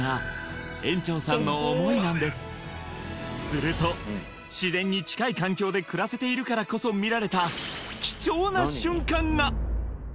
すると自然に近い環境で暮らせているからこそ見られたが！